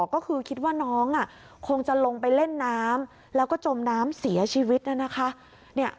ก็คือคิดว่าน้องคงจะลงไปเล่นน้ำแล้วก็จมน้ำเสียชีวิตนะคะ